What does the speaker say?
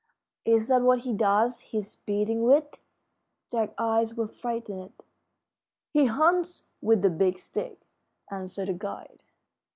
"Is that what he does his beating with?" Jack's eyes were frightened. "He hunts with the Big Stick," answered the guide.